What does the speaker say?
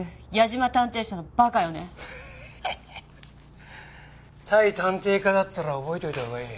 対探偵課だったら覚えておいた方がいい。